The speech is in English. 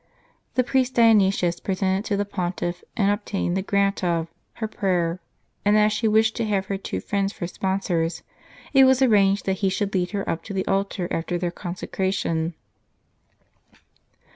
The priest Dionysius presented to the Pontiff, and obtained the grant of, her prayer ; and as she wished to have her two friends for LlUal w 5 sponsors, it was arranged that he should lead her up to the altar after their consecration.